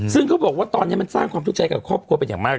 ซึ่งเขาบอกว่าตอนนี้มันสร้างความทุกข์ใจกับครอบครัวเป็นอย่างมาก